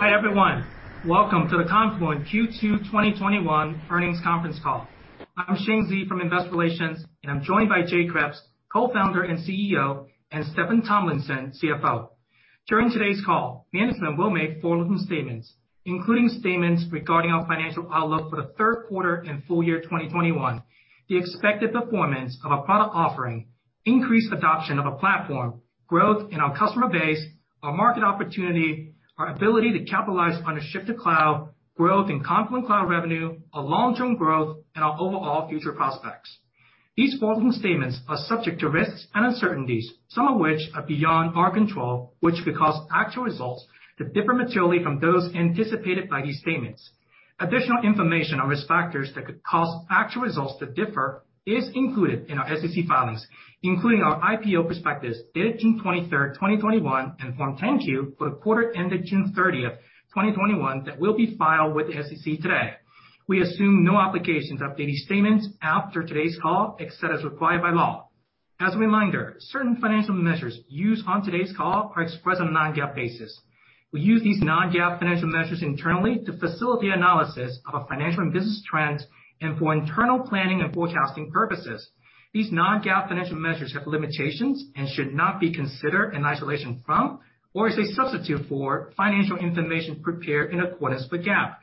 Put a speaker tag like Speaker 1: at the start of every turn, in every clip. Speaker 1: Hi, everyone. Welcome to the Confluent Q2 2021 earnings conference call. I'm Shane Xie from Investor Relations, and I'm joined by Jay Kreps, Co-founder and CEO, and Steffan Tomlinson, CFO. During today's call, management will make forward-looking statements, including statements regarding our financial outlook for the third quarter and full year 2021, the expected performance of our product offering, increased adoption of a platform, growth in our customer base, our market opportunity, our ability to capitalize on a shift to cloud, growth in Confluent Cloud revenue, our long-term growth, and our overall future prospects. These forward-looking statements are subject to risks and uncertainties, some of which are beyond our control, which could cause actual results to differ materially from those anticipated by these statements. Additional information on risk factors that could cause actual results to differ is included in our SEC filings, including our IPO prospectus dated June 23, 2021, and Form 10-Q for the quarter ended June 30, 2021, that will be filed with the SEC today. We assume no obligations to update these statements after today's call, except as required by law. As a reminder, certain financial measures used on today's call are expressed on a non-GAAP basis. We use these non-GAAP financial measures internally to facilitate analysis of our financial and business trends and for internal planning and forecasting purposes. These non-GAAP financial measures have limitations and should not be considered in isolation from or as a substitute for financial information prepared in accordance with GAAP.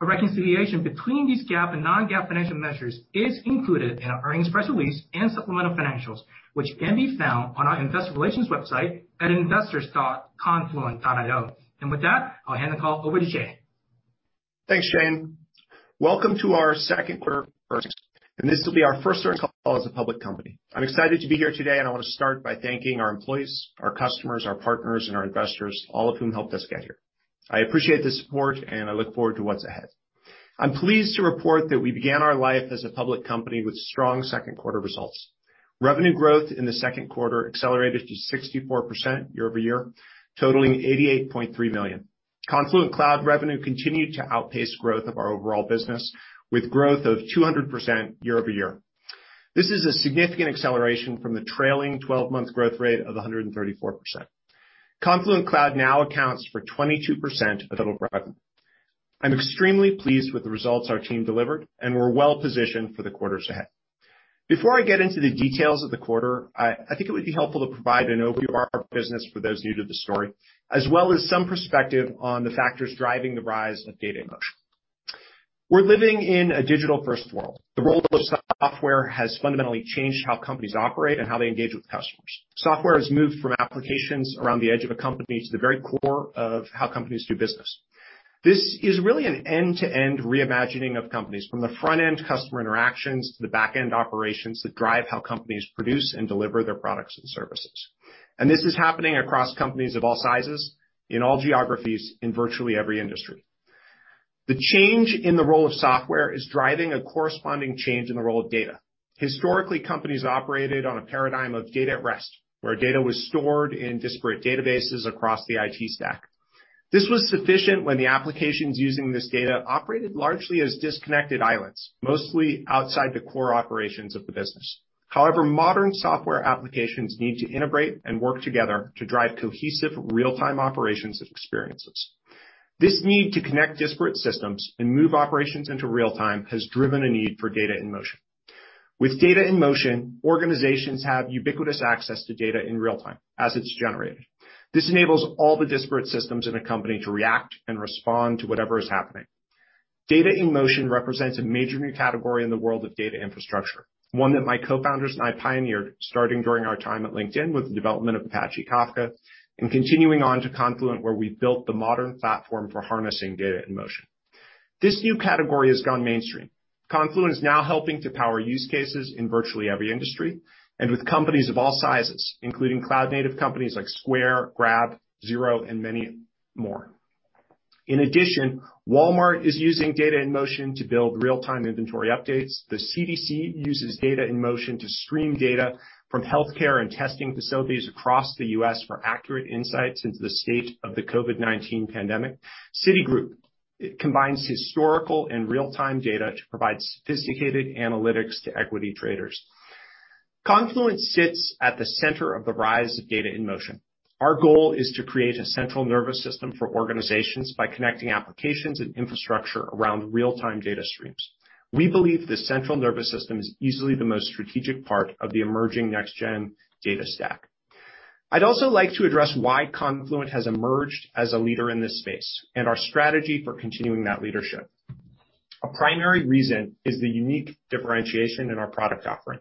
Speaker 1: A reconciliation between these GAAP and non-GAAP financial measures is included in our earnings press release and supplemental financials, which can be found on our investor relations website at investors.confluent.io. With that, I'll hand the call over to Jay.
Speaker 2: Thanks, Shane. Welcome to our second quarter earnings. This will be our first earnings call as a public company. I'm excited to be here today. I want to start by thanking our employees, our customers, our partners, and our investors, all of whom helped us get here. I appreciate the support. I look forward to what's ahead. I'm pleased to report that we began our life as a public company with strong second quarter results. Revenue growth in the second quarter accelerated to 64% year-over-year, totaling $88.3 million. Confluent Cloud revenue continued to outpace growth of our overall business with growth of 200% year-over-year. This is a significant acceleration from the trailing 12-month growth rate of 134%. Confluent Cloud now accounts for 22% of total revenue. I'm extremely pleased with the results our team delivered, and we're well-positioned for the quarters ahead. Before I get into the details of the quarter, I think it would be helpful to provide an overview of our business for those new to the story, as well as some perspective on the factors driving the rise of data in motion. We're living in a digital-first world. The role of software has fundamentally changed how companies operate and how they engage with customers. Software has moved from applications around the edge of a company to the very core of how companies do business. This is really an end-to-end re-imagining of companies, from the front-end customer interactions to the back-end operations that drive how companies produce and deliver their products and services. This is happening across companies of all sizes in all geographies in virtually every industry. The change in the role of software is driving a corresponding change in the role of data. Historically, companies operated on a paradigm of data at rest, where data was stored in disparate databases across the IT stack. This was sufficient when the applications using this data operated largely as disconnected islands, mostly outside the core operations of the business. However, modern software applications need to integrate and work together to drive cohesive real-time operations and experiences. This need to connect disparate systems and move operations into real time has driven a need for data in motion. With data in motion, organizations have ubiquitous access to data in real time as it's generated. This enables all the disparate systems in a company to react and respond to whatever is happening. Data in motion represents a major new category in the world of data infrastructure, one that my co-founders and I pioneered starting during our time at LinkedIn with the development of Apache Kafka, and continuing on to Confluent, where we built the modern platform for harnessing data in motion. This new category has gone mainstream. Confluent is now helping to power use cases in virtually every industry, and with companies of all sizes, including cloud-native companies like Square, Grab, Xero, and many more. In addition, Walmart is using data in motion to build real-time inventory updates. The CDC uses data in motion to stream data from healthcare and testing facilities across the U.S. for accurate insights into the state of the COVID-19 pandemic. Citigroup combines historical and real-time data to provide sophisticated analytics to equity traders. Confluent sits at the center of the rise of data in motion. Our goal is to create a central nervous system for organizations by connecting applications and infrastructure around real-time data streams. We believe this central nervous system is easily the most strategic part of the emerging next-gen data stack. I'd also like to address why Confluent has emerged as a leader in this space and our strategy for continuing that leadership. A primary reason is the unique differentiation in our product offering.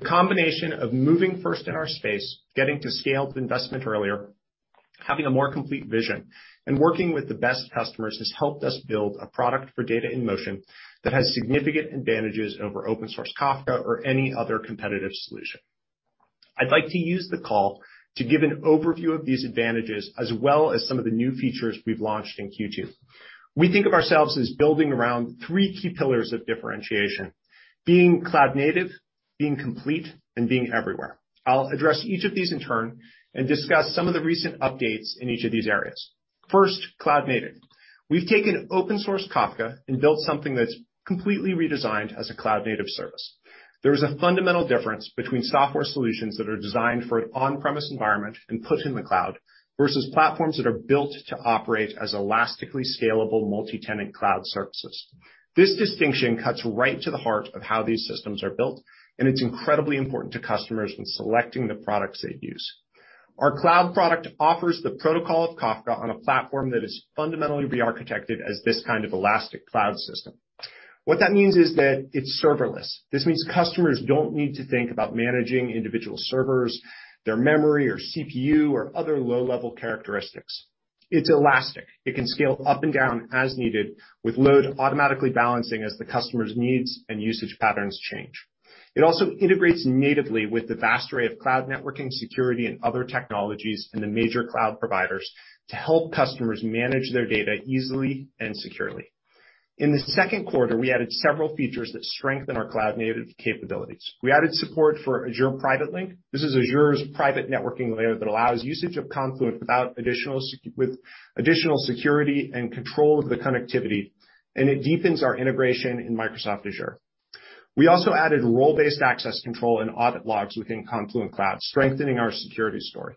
Speaker 2: The combination of moving first in our space, getting to scaled investment earlier, having a more complete vision, and working with the best customers has helped us build a product for data in motion that has significant advantages over open-source Kafka or any other competitive solution. I'd like to use the call to give an overview of these advantages as well as some of the new features we've launched in Q2. We think of ourselves as building around three key pillars of differentiation, being cloud native, being complete, and being everywhere. I'll address each of these in turn and discuss some of the recent updates in each of these areas. First, cloud native. We've taken open source Kafka and built something that's completely redesigned as a cloud-native service. There is a fundamental difference between software solutions that are designed for an on-premise environment and put in the cloud versus platforms that are built to operate as elastically scalable multi-tenant cloud services. This distinction cuts right to the heart of how these systems are built, and it's incredibly important to customers when selecting the products they use. Our cloud product offers the protocol of Kafka on a platform that is fundamentally re-architected as this kind of elastic cloud system. What that means is that it's serverless. This means customers don't need to think about managing individual servers, their memory or CPU, or other low-level characteristics. It's elastic. It can scale up and down as needed, with load automatically balancing as the customer's needs and usage patterns change. It also integrates natively with the vast array of cloud networking security and other technologies in the major cloud providers to help customers manage their data easily and securely. In the second quarter, we added several features that strengthen our cloud-native capabilities. We added support for Azure Private Link. This is Azure's private networking layer that allows usage of Confluent without additional security and control of the connectivity, and it deepens our integration in Microsoft Azure. We also added role-based access control and audit logs within Confluent Cloud, strengthening our security story.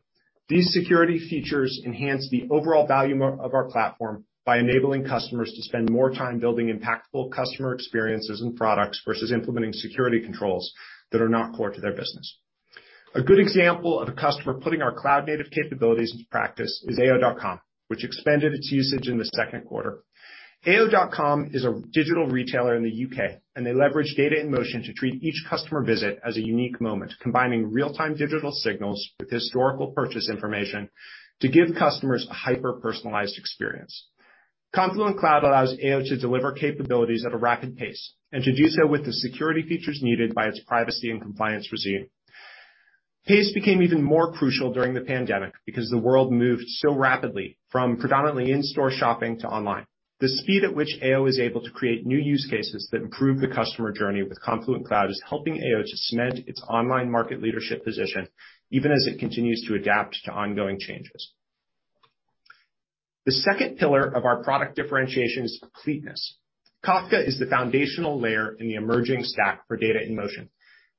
Speaker 2: These security features enhance the overall value of our platform by enabling customers to spend more time building impactful customer experiences and products versus implementing security controls that are not core to their business. A good example of a customer putting our cloud-native capabilities into practice is AO.com, which expanded its usage in the second quarter. AO.com is a digital retailer in the U.K. They leverage data in motion to treat each customer visit as a unique moment, combining real-time digital signals with historical purchase information to give customers a hyper-personalized experience. Confluent Cloud allows AO to deliver capabilities at a rapid pace. To do so with the security features needed by its privacy and compliance regime. Pace became even more crucial during the pandemic because the world moved so rapidly from predominantly in-store shopping to online. The speed at which AO is able to create new use cases that improve the customer journey with Confluent Cloud is helping AO to cement its online market leadership position, even as it continues to adapt to ongoing changes. The second pillar of our product differentiation is completeness. Apache Kafka is the foundational layer in the emerging stack for data in motion.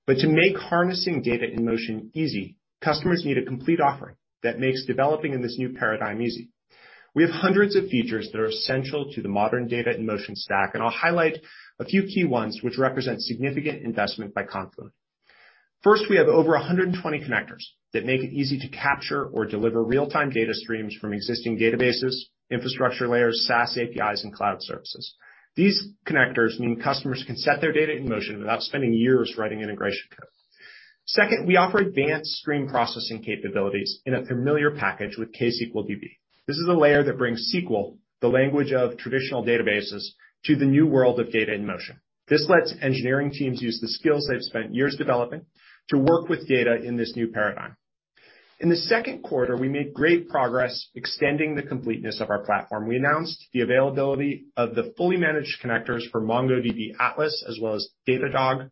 Speaker 2: To make harnessing data in motion easy, customers need a complete offering that makes developing in this new paradigm easy. We have hundreds of features that are essential to the modern data in motion stack, and I'll highlight a few key ones which represent significant investment by Confluent. First, we have over 120 connectors that make it easy to capture or deliver real-time data streams from existing databases, infrastructure layers, SaaS APIs, and cloud services. These connectors mean customers can set their data in motion without spending years writing integration code. We offer advanced stream processing capabilities in a familiar package with ksqlDB. This is a layer that brings SQL, the language of traditional databases, to the new world of data in motion. This lets engineering teams use the skills they've spent years developing to work with data in this new paradigm. In the second quarter, we made great progress extending the completeness of our platform. We announced the availability of the fully managed connectors for MongoDB Atlas as well as Datadog.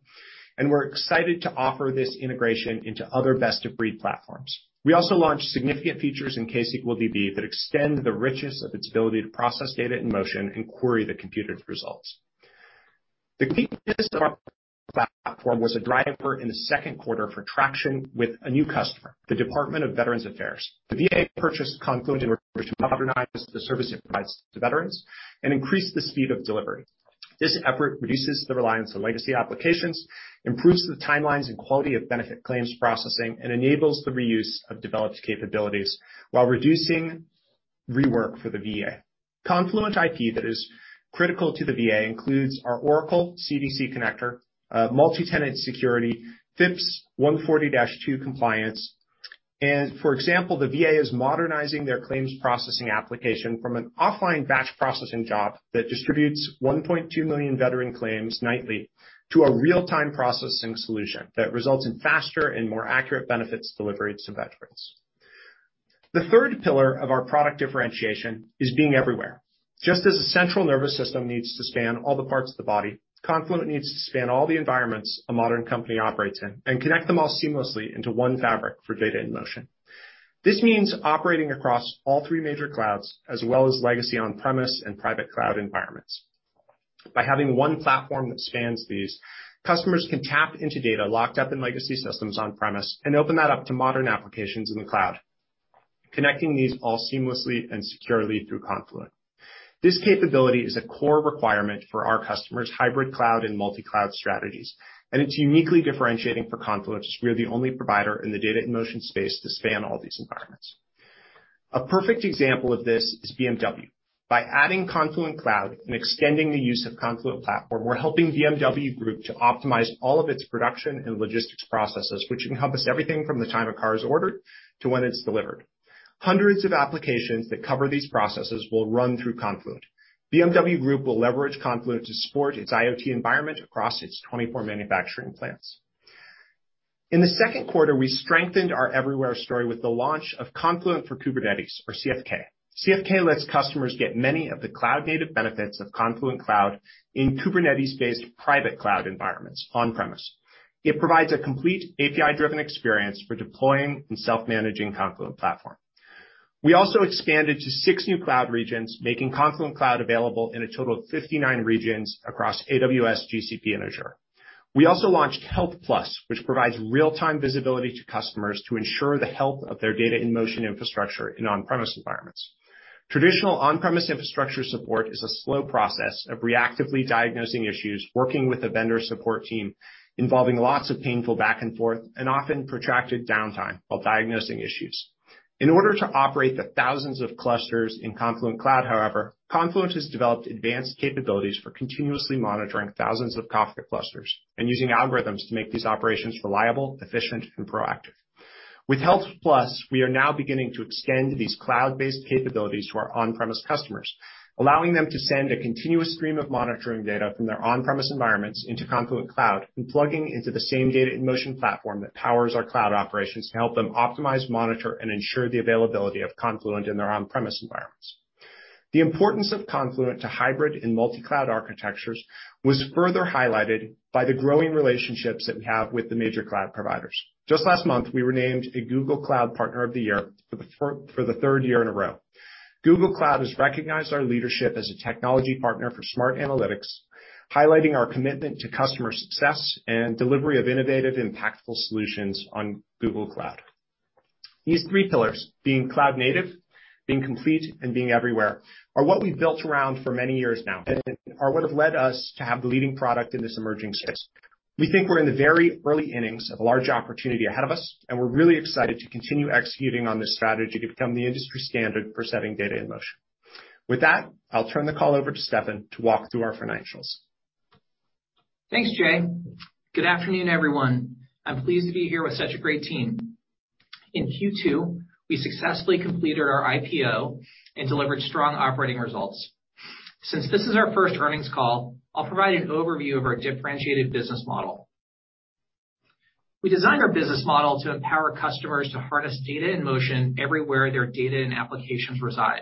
Speaker 2: We're excited to offer this integration into other best-of-breed platforms. We also launched significant features in ksqlDB that extend the richness of its ability to process data in motion and query the computed results. The key to this platform was a driver in the second quarter for traction with a new customer, the Department of Veterans Affairs. The VA purchased Confluent in order to modernize the service it provides to veterans and increase the speed of delivery. This effort reduces the reliance on legacy applications, improves the timelines and quality of benefit claims processing, and enables the reuse of developed capabilities while reducing rework for the VA. Confluent IP that is critical to the VA includes our Oracle CDC connector, multi-tenant security, FIPS 140-2 compliance. For example, the VA is modernizing their claims processing application from an offline batch processing job that distributes 1.2 million veteran claims nightly to a real-time processing solution that results in faster and more accurate benefits delivery to veterans. The third pillar of our product differentiation is being everywhere. Just as a central nervous system needs to span all the parts of the body, Confluent needs to span all the environments a modern company operates in and connect them all seamlessly into one fabric for data in motion. This means operating across all three major clouds as well as legacy on-premise and private cloud environments. By having one platform that spans these, customers can tap into data locked up in legacy systems on-premise and open that up to modern applications in the cloud, connecting these all seamlessly and securely through Confluent. This capability is a core requirement for our customers' hybrid cloud and multi-cloud strategies, and it's uniquely differentiating for Confluent as we are the only provider in the data in motion space to span all these environments. A perfect example of this is BMW. By adding Confluent Cloud and extending the use of Confluent Platform, we're helping BMW Group to optimize all of its production and logistics processes, which encompass everything from the time a car is ordered to when it's delivered. Hundreds of applications that cover these processes will run through Confluent. BMW Group will leverage Confluent to support its IoT environment across its 24 manufacturing plants. In the second quarter, we strengthened our Everywhere story with the launch of Confluent for Kubernetes or CFK. CFK lets customers get many of the cloud-native benefits of Confluent Cloud in Kubernetes-based private cloud environments on-premise. It provides a complete API-driven experience for deploying and self-managing Confluent Platform. We also expanded to 6 new cloud regions, making Confluent Cloud available in a total of 59 regions across AWS, GCP, and Azure. We also launched Confluent Health+, which provides real-time visibility to customers to ensure the health of their data in motion infrastructure in on-premise environments. Traditional on-premise infrastructure support is a slow process of reactively diagnosing issues, working with a vendor support team, involving lots of painful back and forth and often protracted downtime while diagnosing issues. In order to operate the thousands of clusters in Confluent Cloud, however, Confluent has developed advanced capabilities for continuously monitoring thousands of Apache Kafka clusters and using algorithms to make these operations reliable, efficient, and proactive. With Health+, we are now beginning to extend these cloud-based capabilities to our on-premise customers, allowing them to send a continuous stream of monitoring data from their on-premise environments into Confluent Cloud and plugging into the same data in motion platform that powers our cloud operations to help them optimize, monitor, and ensure the availability of Confluent in their on-premise environments. The importance of Confluent to hybrid and multi-cloud architectures was further highlighted by the growing relationships that we have with the major cloud providers. Just last month, we were named a Google Cloud Partner of the Year for the third year in a row. Google Cloud has recognized our leadership as a technology partner for smart analytics, highlighting our commitment to customer success and delivery of innovative, impactful solutions on Google Cloud. These three pillars, being cloud native, being complete, and being everywhere, are what we've built around for many years now and are what have led us to have the leading product in this emerging space. We think we're in the very early innings of a large opportunity ahead of us, and we're really excited to continue executing on this strategy to become the industry standard for setting data in motion. With that, I'll turn the call over to Steffan to walk through our financials.
Speaker 3: Thanks, Jay. Good afternoon, everyone. I'm pleased to be here with such a great team. In Q2, we successfully completed our IPO and delivered strong operating results. Since this is our first earnings call, I'll provide an overview of our differentiated business model. We designed our business model to empower customers to harness data in motion everywhere their data and applications reside.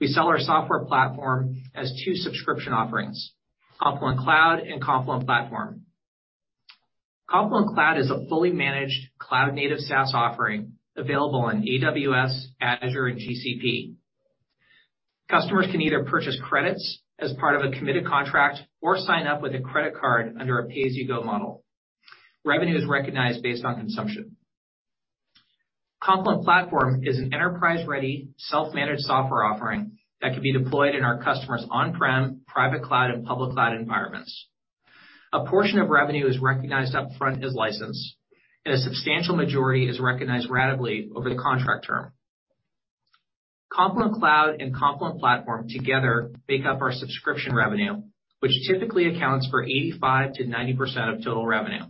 Speaker 3: We sell our software platform as two subscription offerings, Confluent Cloud and Confluent Platform. Confluent Cloud is a fully managed cloud-native SaaS offering available on AWS, Azure, and GCP. Customers can either purchase credits as part of a committed contract or sign up with a credit card under a pay-as-you-go model. Revenue is recognized based on consumption. Confluent Platform is an enterprise-ready, self-managed software offering that can be deployed in our customers' on-prem, private cloud, and public cloud environments. A portion of revenue is recognized up front as license, and a substantial majority is recognized ratably over the contract term. Confluent Cloud and Confluent Platform together make up our subscription revenue, which typically accounts for 85%-90% of total revenue.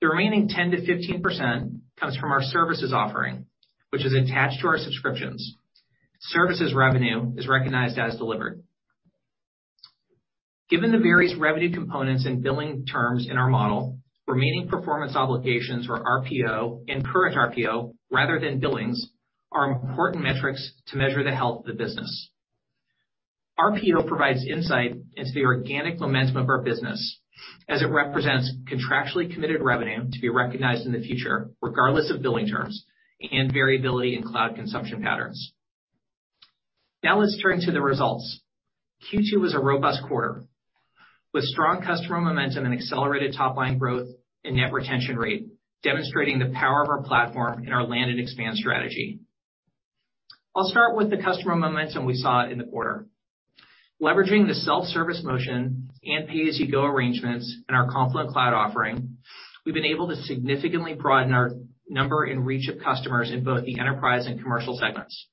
Speaker 3: The remaining 10%-15% comes from our services offering, which is attached to our subscriptions. Services revenue is recognized as delivered. Given the various revenue components and billing terms in our model, remaining performance obligations or RPO and current RPO rather than billings are important metrics to measure the health of the business. RPO provides insight into the organic momentum of our business as it represents contractually committed revenue to be recognized in the future, regardless of billing terms and variability in cloud consumption patterns. Now let's turn to the results. Q2 was a robust quarter with strong customer momentum and accelerated top line growth and net retention rate, demonstrating the power of our platform and our land and expand strategy. I'll start with the customer momentum we saw in the quarter. Leveraging the self-service motion and pay-as-you-go arrangements in our Confluent Cloud offering, we've been able to significantly broaden our number and reach of customers in both the enterprise and commercial segments.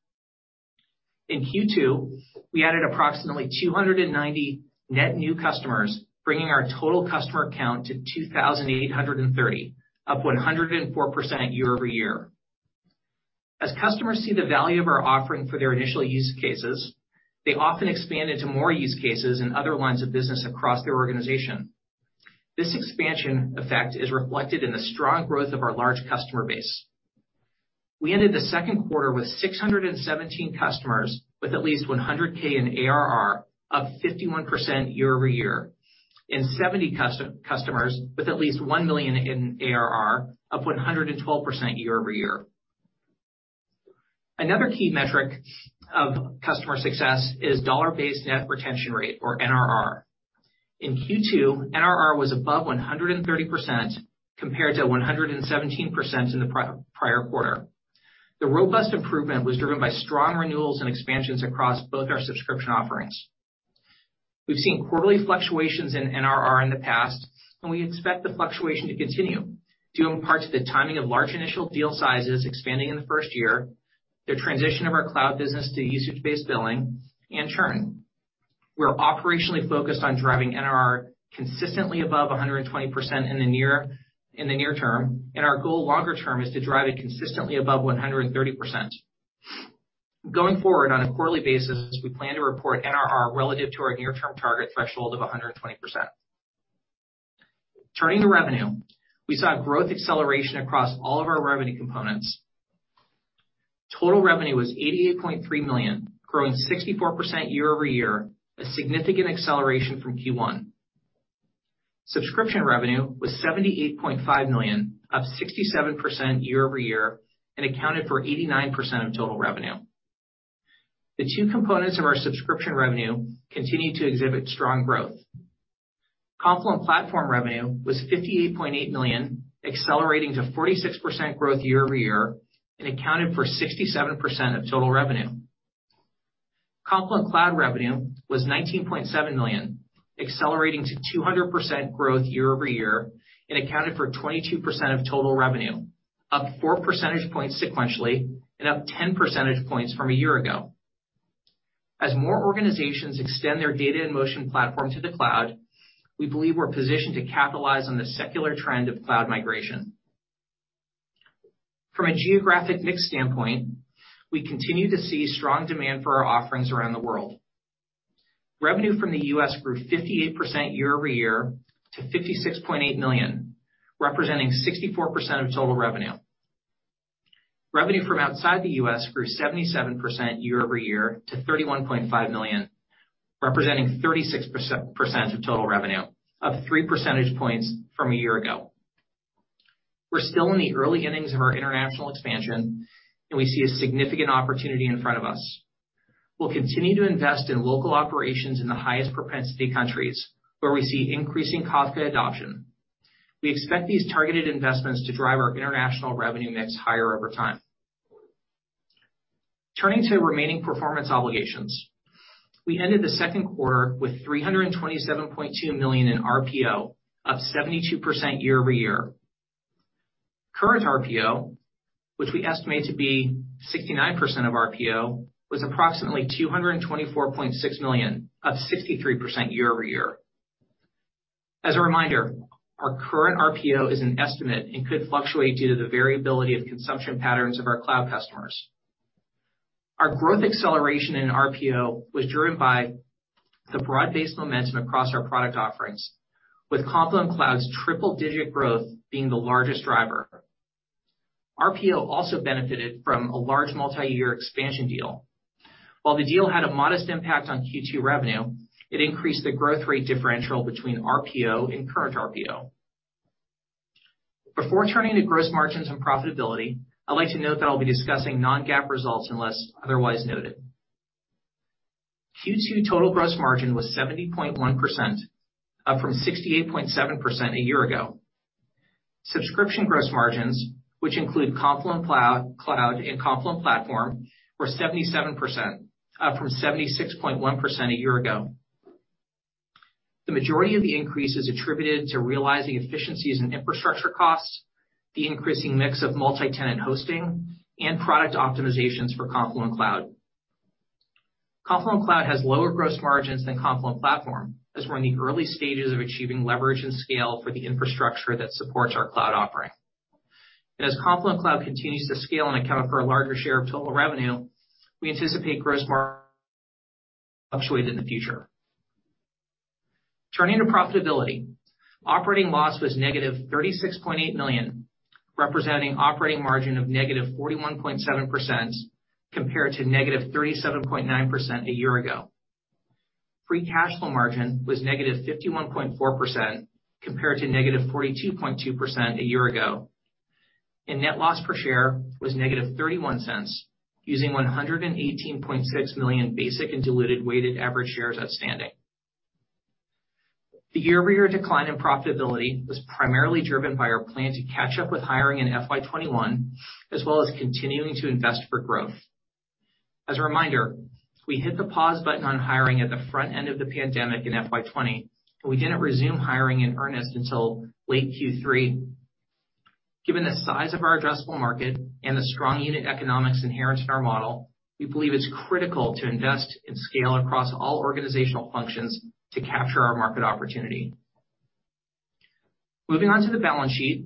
Speaker 3: In Q2, we added approximately 290 net new customers, bringing our total customer count to 2,830, up 104% year-over-year. As customers see the value of our offering for their initial use cases, they often expand into more use cases and other lines of business across their organization. This expansion effect is reflected in the strong growth of our large customer base. We ended the second quarter with 617 customers with at least $100K in ARR, up 51% year-over-year, and 70 customers with at least $1 million in ARR, up 112% year-over-year. Another key metric of customer success is dollar-based net retention rate, or NRR. In Q2, NRR was above 130% compared to 117% in the prior quarter. The robust improvement was driven by strong renewals and expansions across both our subscription offerings. We've seen quarterly fluctuations in NRR in the past, we expect the fluctuation to continue due in part to the timing of large initial deal sizes expanding in the first year, the transition of our cloud business to usage-based billing, and churn. We're operationally focused on driving NRR consistently above 120% in the near term. Our goal longer term is to drive it consistently above 130%. Going forward, on a quarterly basis, we plan to report NRR relative to our near-term target threshold of 120%. Turning to revenue, we saw growth acceleration across all of our revenue components. Total revenue was $88.3 million, growing 64% year-over-year, a significant acceleration from Q1. Subscription revenue was $78.5 million, up 67% year-over-year, and accounted for 89% of total revenue. The two components of our subscription revenue continued to exhibit strong growth. Confluent Platform revenue was $58.8 million, accelerating to 46% growth year-over-year, and accounted for 67% of total revenue. Confluent Cloud revenue was $19.7 million, accelerating to 200% growth year-over-year, accounted for 22% of total revenue, up 4 percentage points sequentially and up 10 percentage points from a year ago. As more organizations extend their data in motion platform to the cloud, we believe we're positioned to capitalize on the secular trend of cloud migration. From a geographic mix standpoint, we continue to see strong demand for our offerings around the world. Revenue from the U.S. grew 58% year-over-year to $56.8 million, representing 64% of total revenue. Revenue from outside the U.S. grew 77% year-over-year to $31.5 million, representing 36% of total revenue, up 3 percentage points from a year ago. We're still in the early innings of our international expansion, and we see a significant opportunity in front of us. We'll continue to invest in local operations in the highest propensity countries where we see increasing Kafka adoption. We expect these targeted investments to drive our international revenue mix higher over time. Turning to remaining performance obligations. We ended the second quarter with $327.2 million in RPO, up 72% year-over-year. Current RPO, which we estimate to be 69% of RPO, was approximately $224.6 million, up 63% year-over-year. As a reminder, our current RPO is an estimate and could fluctuate due to the variability of consumption patterns of our cloud customers. Our growth acceleration in RPO was driven by the broad-based momentum across our product offerings, with Confluent Cloud's triple-digit growth being the largest driver. RPO also benefited from a large multi-year expansion deal. The deal had a modest impact on Q2 revenue, it increased the growth rate differential between RPO and current RPO. Before turning to gross margins and profitability, I'd like to note that I'll be discussing non-GAAP results unless otherwise noted. Q2 total gross margin was 70.1%, up from 68.7% a year ago. Subscription gross margins, which include Confluent Cloud and Confluent Platform, were 77%, up from 76.1% a year ago. The majority of the increase is attributed to realizing efficiencies in infrastructure costs, the increasing mix of multi-tenant hosting, and product optimizations for Confluent Cloud. Confluent Cloud has lower gross margins than Confluent Platform as we're in the early stages of achieving leverage and scale for the infrastructure that supports our cloud offering. As Confluent Cloud continues to scale and account for a larger share of total revenue, we anticipate gross margin fluctuate in the future. Turning to profitability. Operating loss was -$36.8 million, representing operating margin of -41.7% compared to -37.9% a year ago. Free cash flow margin was -51.4% compared to -42.2% a year ago, and net loss per share was -$0.31, using 118.6 million basic and diluted weighted average shares outstanding. The year-over-year decline in profitability was primarily driven by our plan to catch up with hiring in FY 2021, as well as continuing to invest for growth. As a reminder, we hit the pause button on hiring at the front end of the pandemic in FY 2020. We didn't resume hiring in earnest until late Q3. Given the size of our addressable market and the strong unit economics inherent in our model, we believe it's critical to invest in scale across all organizational functions to capture our market opportunity. Moving on to the balance sheet.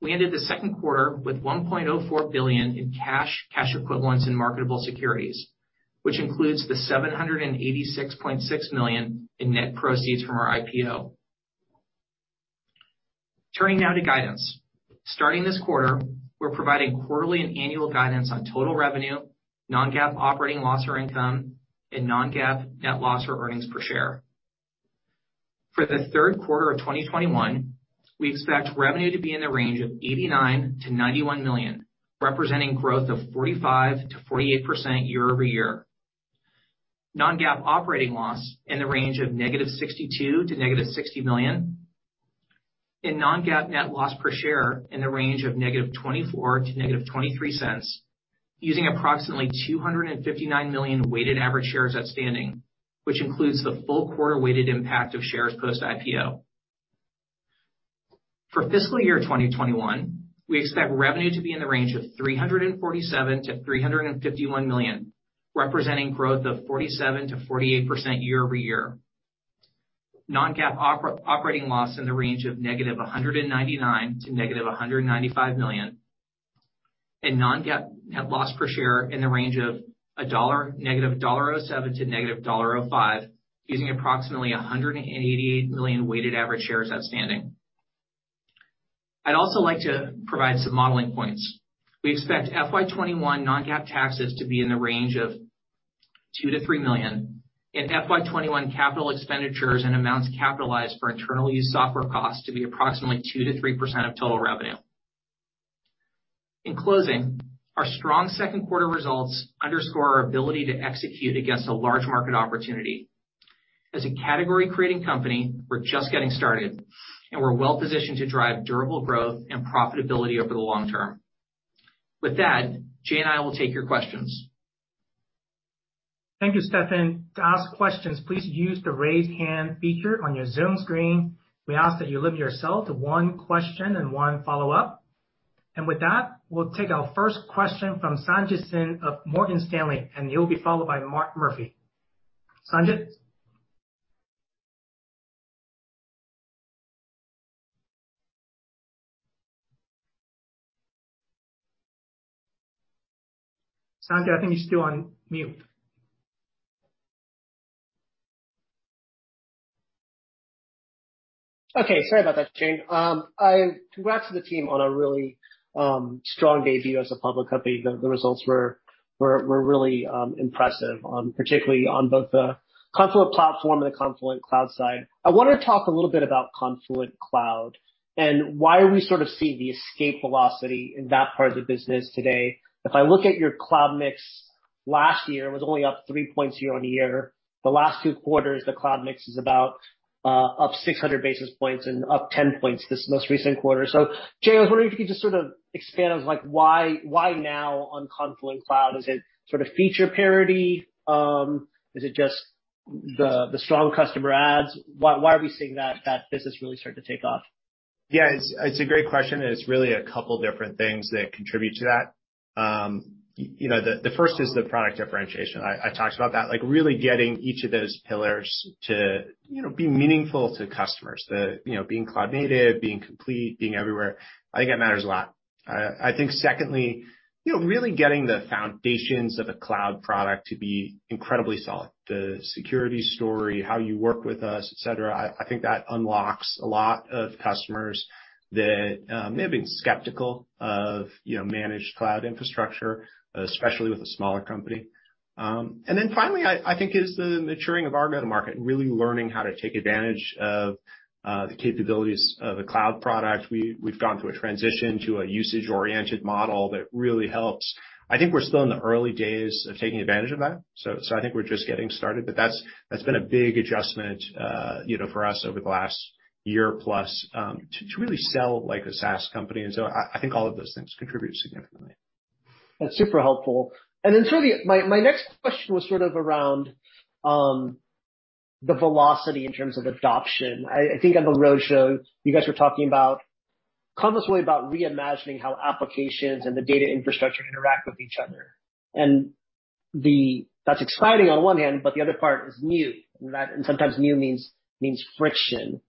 Speaker 3: We ended the second quarter with $1.04 billion in cash equivalents in marketable securities, which includes the $786.6 million in net proceeds from our IPO. Turning now to guidance. Starting this quarter, we're providing quarterly and annual guidance on total revenue, non-GAAP operating loss or income and non-GAAP net loss or earnings per share. For the third quarter of 2021, we expect revenue to be in the range of $89 million-$91 million, representing growth of 45%-48% year-over-year. Non-GAAP operating loss in the range of -$62 million-negative $60 million. Non-GAAP net loss per share in the range of -$0.24-negative $0.23, using approximately 259 million weighted average shares outstanding, which includes the full quarter weighted impact of shares post IPO. For fiscal year 2021, we expect revenue to be in the range of $347 million-$351 million, representing growth of 47%-48% year-over-year. Non-GAAP operating loss in the range of -$199 million-negative $195 million. Non-GAAP net loss per share in the range of -$0.07-negative $0.05, using approximately 188 million weighted average shares outstanding. I'd also like to provide some modeling points. We expect FY 2021 non-GAAP taxes to be in the range of $2 million-$3 million. In FY 2021 capital expenditures and amounts capitalized for internal use software costs to be approximately 2%-3% of total revenue. In closing, our strong second quarter results underscore our ability to execute against a large market opportunity. As a category-creating company, we're just getting started, and we're well-positioned to drive durable growth and profitability over the long term. With that, Jay and I will take your questions.
Speaker 1: Thank you, Steffan. To ask questions, please use the Raise Hand feature on your Zoom screen. We ask that you limit yourself to one question and one follow-up. With that, we'll take our first question from Sanjit Singh of Morgan Stanley, and you'll be followed by Mark Murphy. Sanjit. Sanjit, I think you're still on mute.
Speaker 4: Okay. Sorry about that, Shane. Congrats to the team on a really strong debut as a public company. The results were really impressive, particularly on both the Confluent Platform and the Confluent Cloud side. I wanna talk a little bit about Confluent Cloud and why are we sort of seeing the escape velocity in that part of the business today. If I look at your cloud mix last year, it was only up three points year-on-year. The last two quarters, the cloud mix is about up 600 basis points and up 10 points this most recent quarter. Jay, I was wondering if you could just sort of expand on, like, why now on Confluent Cloud? Is it sort of feature parity? Is it just the strong customer adds? Why are we seeing that business really start to take off?
Speaker 2: It's a great question, it's really a couple different things that contribute to that. You know, the first is the product differentiation. I talked about that, like really getting each of those pillars to, you know, be meaningful to customers. The, you know, being cloud native, being complete, being everywhere. I think it matters a lot. I think secondly, you know, really getting the foundations of a cloud product to be incredibly solid. The security story, how you work with us, et cetera. I think that unlocks a lot of customers that may have been skeptical of, you know, managed cloud infrastructure, especially with a smaller company. Finally, I think is the maturing of our go-to-market and really learning how to take advantage of the capabilities of the cloud product. We've gone through a transition to a usage-oriented model that really helps. I think we're still in the early days of taking advantage of that, so I think we're just getting started. That's been a big adjustment, you know, for us over the last year plus, to really sell like a SaaS company. I think all of those things contribute significantly.
Speaker 4: That's super helpful. My next question was sort of around the velocity in terms of adoption. I think on the roadshow you guys were talking about Confluent's way about reimagining how applications and the data infrastructure interact with each other. That's exciting on one hand, but the other part is new, and sometimes new means friction.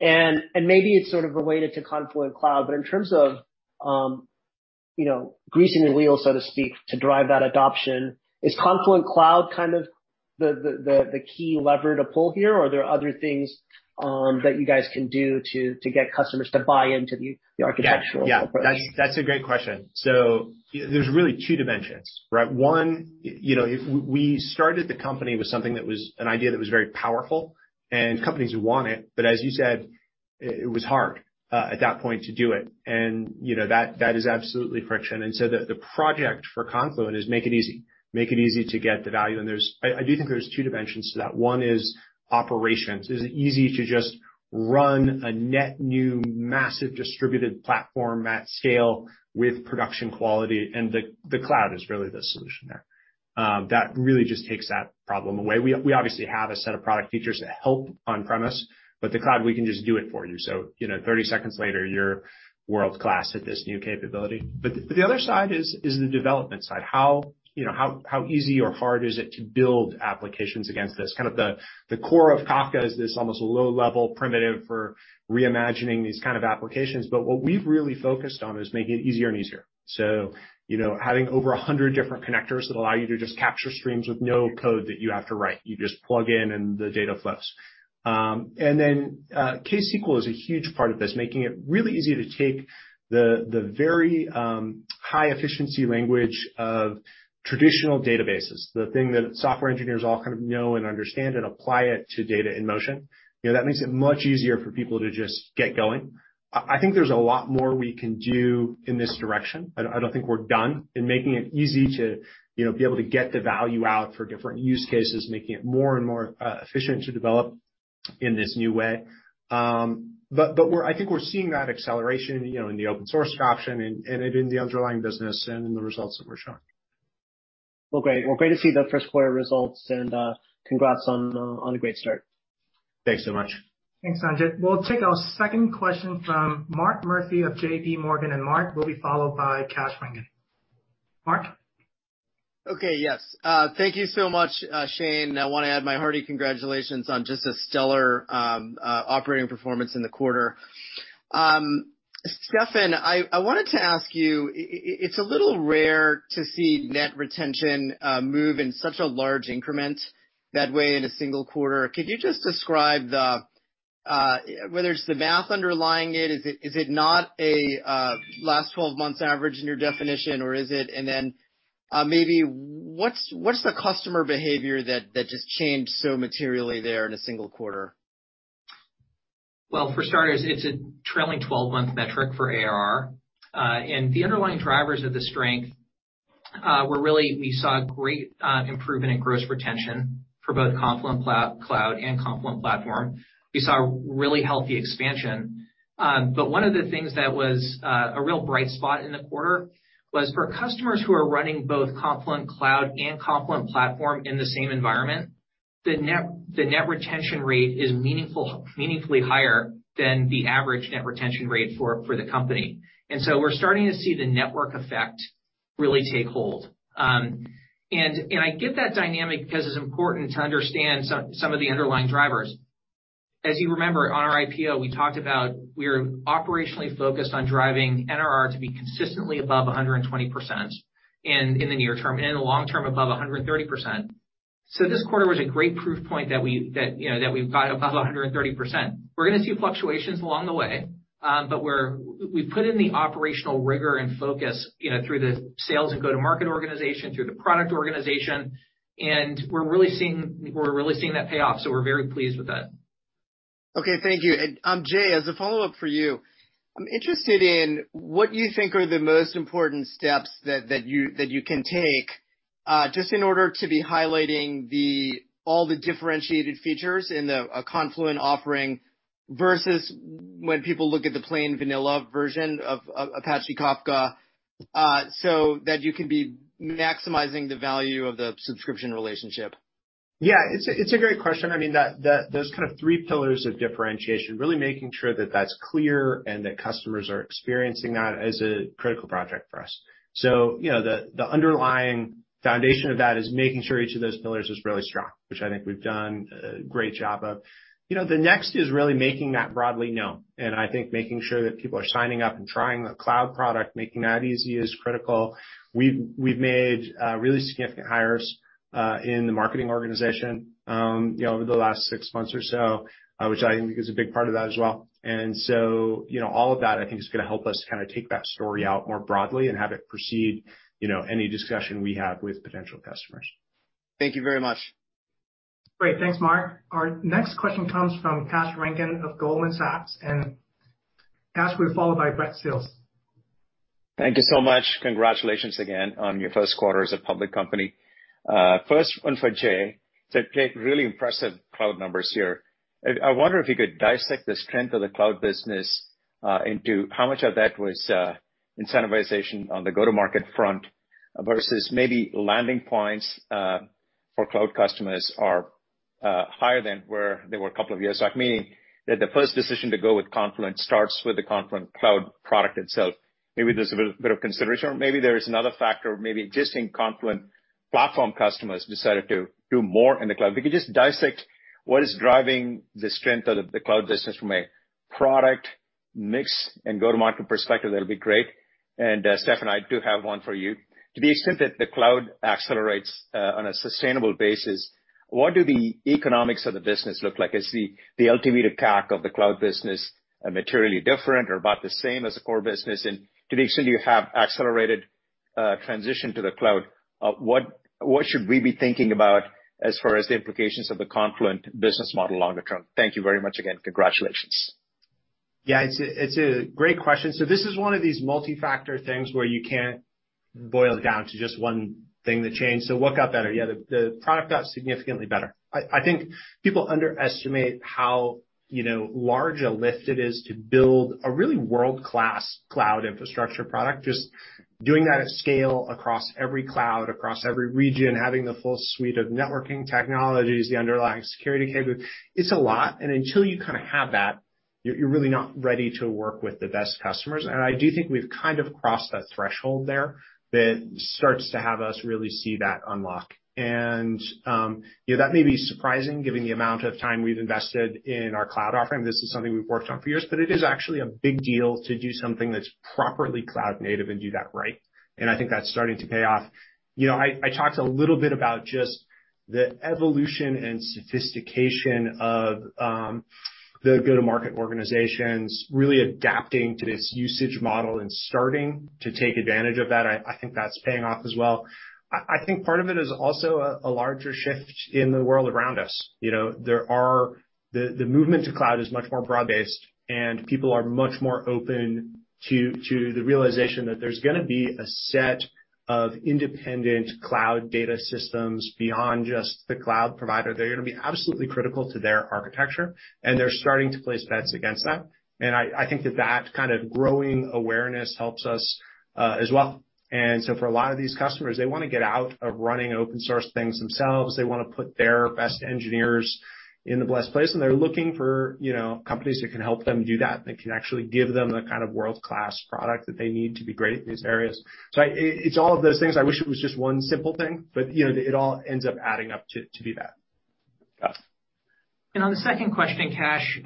Speaker 4: Maybe it's sort of related to Confluent Cloud, but in terms of, you know, greasing the wheel, so to speak, to drive that adoption, is Confluent Cloud kind of the key lever to pull here, or are there other things that you guys can do to get customers to buy into the architectural approach?
Speaker 2: Yeah, yeah. That's a great question. There's really two dimensions, right? One, you know, we started the company with something that was an idea that was very powerful and companies would want it, but as you said, it was hard at that point to do it. You know, that is absolutely friction. The project for Confluent is make it easy. Make it easy to get the value. There's I do think there's two dimensions to that. One is operations. Is it easy to just run a net new massive distributed platform at scale with production quality? The cloud is really the solution there. That really just takes that problem away. We obviously have a set of product features that help on-premise, but the cloud, we can just do it for you. You know, 30 seconds later, you're world-class at this new capability. The other side is the development side. You know, how easy or hard is it to build applications against this? Kind of the core of Kafka is this almost low-level primitive for reimagining these kind of applications. What we've really focused on is making it easier and easier. You know, having over 100 different connectors that allow you to just capture streams with no code that you have to write. You just plug in and the data flows. ksqlDB is a huge part of this, making it really easy to take the very high efficiency language of traditional databases, the thing that software engineers all kind of know and understand, and apply it to data in motion. You know, that makes it much easier for people to just get going. I think there's a lot more we can do in this direction. I don't think we're done in making it easy to, you know, be able to get the value out for different use cases, making it more and more efficient to develop in this new way. I think we're seeing that acceleration, you know, in the open source adoption and in the underlying business and in the results that we're showing.
Speaker 4: Well, great. Well, great to see the first quarter results, and congrats on a great start.
Speaker 2: Thanks so much.
Speaker 1: Thanks, Sanjit. We'll take our second question from Mark Murphy of JPMorgan. Mark will be followed by Kash Rangan. Mark?
Speaker 5: Okay. Yes. Thank you so much, Shane. I want to add my hearty congratulations on just a stellar operating performance in the quarter. Steffan, I wanted to ask you, it's a little rare to see net retention move in such a large increment that way in a single quarter. Could you just describe whether it's the math underlying it, is it, is it not a last 12 months average in your definition, or is it? Maybe what's the customer behavior that just changed so materially there in a single quarter?
Speaker 3: Well, for starters, it's a trailing 12-month metric for ARR. The underlying drivers of the strength were really we saw great improvement in gross retention for both Confluent Cloud and Confluent Platform. We saw really healthy expansion. One of the things that was a real bright spot in the quarter was for customers who are running both Confluent Cloud and Confluent Platform in the same environment, the net retention rate is meaningly higher than the average net retention rate for the company. We're starting to see the network effect really take hold. I give that dynamic because it's important to understand some of the underlying drivers. As you remember, on our IPO, we talked about we are operationally focused on driving NRR to be consistently above 120% in the near term, and in the long term above 130%. This quarter was a great proof point that, you know, we've got above 130%. We're gonna see fluctuations along the way, but we've put in the operational rigor and focus, you know, through the sales and go-to-market organization, through the product organization, and we're really seeing that pay off, so we're very pleased with that.
Speaker 5: Okay. Thank you. Jay, as a follow-up for you, I'm interested in what you think are the most important steps that you can take just in order to be highlighting all the differentiated features in the Confluent offering versus when people look at the plain vanilla version of Apache Kafka, so that you can be maximizing the value of the subscription relationship.
Speaker 2: It's a great question. I mean, those kind of three pillars of differentiation, really making sure that that's clear and that customers are experiencing that is a critical project for us. You know, the underlying foundation of that is making sure each of those pillars is really strong, which I think we've done a great job of. You know, the next is really making that broadly known, and I think making sure that people are signing up and trying the cloud product, making that easy is critical. We've made really significant hires in the marketing organization, you know, over the last six months or so, which I think is a big part of that as well. You know, all of that I think is gonna help us kinda take that story out more broadly and have it precede, you know, any discussion we have with potential customers.
Speaker 5: Thank you very much.
Speaker 1: Great. Thanks, Mark. Our next question comes from Kash Rangan of Goldman Sachs. Kash will be followed by Brad Sills.
Speaker 6: Thank you so much. Congratulations again on your first quarter as a public company. First one for Jay. Jay, really impressive cloud numbers here. I wonder if you could dissect the strength of the cloud business into how much of that was incentivization on the go-to-market front versus maybe landing points for cloud customers are higher than where they were a couple of years back, meaning that the 1st decision to go with Confluent starts with the Confluent Cloud product itself. Maybe there's a bit of consideration or maybe there is another factor, maybe existing Confluent Platform customers decided to do more in the cloud. If you could just dissect what is driving the strength of the cloud business from a product mix and go-to-market perspective, that'll be great. Steffan I do have one for you. To the extent that the cloud accelerates, on a sustainable basis, what do the economics of the business look like? Is the LTV to CAC of the cloud business materially different or about the same as the core business? To the extent you have accelerated transition to the cloud, what should we be thinking about as far as the implications of the Confluent business model longer term? Thank you very much again. Congratulations.
Speaker 2: Yeah, it's a great question. This is one of these multi-factor things where you can't boil it down to just one thing that changed. What got better? Yeah, the product got significantly better. I think people underestimate how, you know, large a lift it is to build a really world-class cloud infrastructure product. Just doing that at scale across every cloud, across every region, having the full suite of networking technologies, the underlying security capability. It's a lot. Until you kind of have that, you're really not ready to work with the best customers. I do think we've kind of crossed that threshold there that starts to have us really see that unlock. You know, that may be surprising given the amount of time we've invested in our cloud offering. This is something we've worked on for years, it is actually a big deal to do something that's properly cloud native and do that right. I think that's starting to pay off. You know, I talked a little bit about just the evolution and sophistication of the go-to-market organizations really adapting to this usage model and starting to take advantage of that. I think that's paying off as well. I think part of it is also a larger shift in the world around us. You know, there are the movement to cloud is much more broad-based, and people are much more open to the realization that there's gonna be a set of independent cloud data systems beyond just the cloud provider. They're gonna be absolutely critical to their architecture, and they're starting to place bets against that. I think that that kind of growing awareness helps us as well. For a lot of these customers, they wanna get out of running open source things themselves. They wanna put their best engineers in the best place, and they're looking for, you know, companies that can help them do that can actually give them the kind of world-class product that they need to be great at these areas. It's all of those things. I wish it was just one simple thing, but, you know, it all ends up adding up to be that. Yeah.
Speaker 3: On the second question, Kash,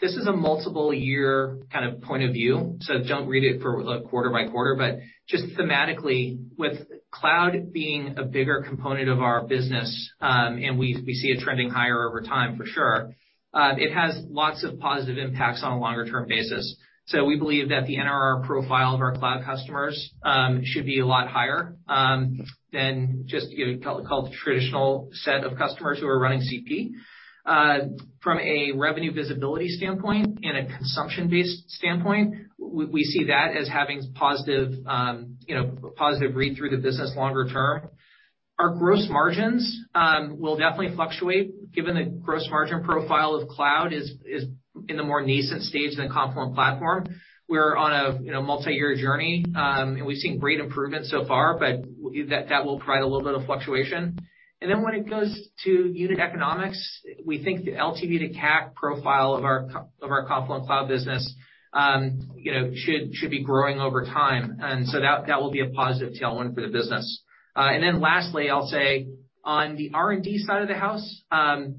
Speaker 3: this is a multiple-year kind of point of view, so don't read it for quarter by quarter. Just thematically, with cloud being a bigger component of our business, and we see it trending higher over time for sure, it has lots of positive impacts on a longer-term basis. We believe that the NRR profile of our cloud customers should be a lot higher than just, you know, call it the traditional set of customers who are running CP. From a revenue visibility standpoint and a consumption-based standpoint, we see that as having positive, you know, positive read through the business longer-term. Our gross margins will definitely fluctuate given the gross margin profile of cloud is in a more nascent stage than the Confluent Platform. We're on a, you know, multi-year journey. We've seen great improvement so far, but that will provide a little bit of fluctuation. When it goes to unit economics, we think the LTV to CAC profile of our Confluent Cloud business, you know, should be growing over time. That, that will be a positive tailwind for the business. Lastly, I'll say on the R&D side of the house, I